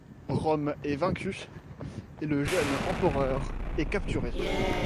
Rome est vaincue et le jeune empereur est capturé.